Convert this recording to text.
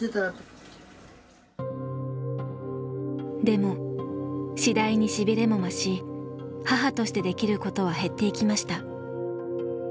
でも次第に痺れも増し母としてできることは減っていきました。